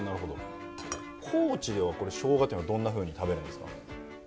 高知ではしょうがっていうのはどんなふうに食べるんですか？